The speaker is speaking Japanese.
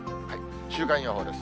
週間予報です。